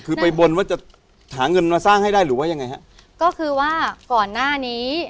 คือไปบนว่าจะหาเงินมาสร้างให้ได้หรือว่ายังไงฮะก็คือว่าก่อนหน้านี้